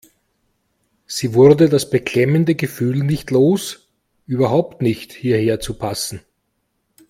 Sie wurde das beklemmende Gefühl nicht los, überhaupt nicht hierher zu passen.